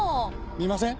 見ません？